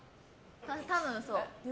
多分そう。